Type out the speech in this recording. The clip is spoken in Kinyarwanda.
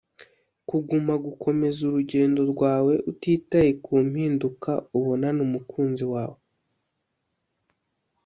Kuguma gukomeza urugendo rwawe utitaye ku mpinduka ubonana umukunzi wawe